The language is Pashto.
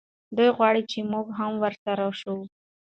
دی غواړي چې موږ هم ورسره شو.